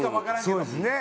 そうですね。